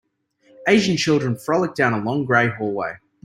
Asian children frolic down a long gray hallway.